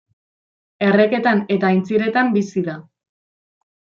Erreketan eta aintziretan bizi da.